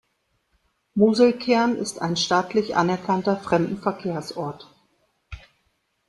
Moselkern ist ein staatlich anerkannter Fremdenverkehrsort.